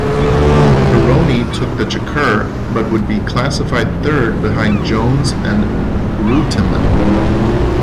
Pironi took the chequer but would be classified third behind Jones and Reutemann.